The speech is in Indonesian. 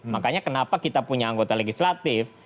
makanya kenapa kita punya anggota legislatif